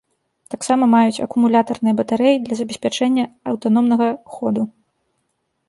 Таксама маюць акумулятарныя батарэі для забеспячэння аўтаномнага ходу.